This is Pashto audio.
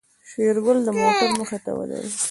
شېرګل د موټر مخې ته ودرېد.